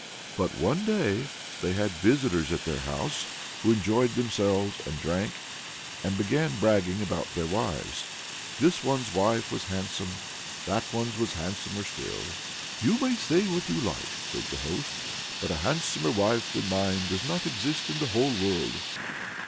But one day they had visitors at their house, who enjoyed themselves, and drank, and began bragging about their wives. This one's wife was handsome; that one's was handsomer still. "You may say what you like," says the host, "but a handsomer wife than mine does not exist in the whole world!"